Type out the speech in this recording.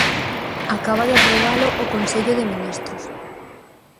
Acaba de aprobalo o Consello de Ministros.